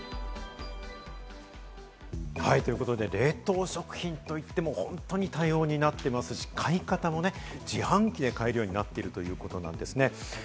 冷凍食品といっても本当に多様になっていますし、買い方もね、自販機で買えるようになっているということなんですね。